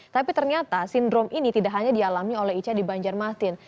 tapi ternyata sindrom ini tidak hanya dialami oleh ica di banjarmasin